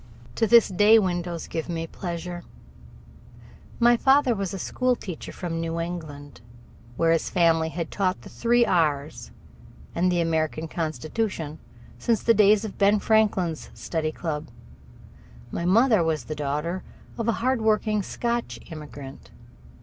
To this day windows give me pleasure. My father was a school teacher from New England, where his family had taught the three R's and the American Constitution since the days of Ben Franklin's study club. My mother was the daughter of a hardworking Scotch immigrant.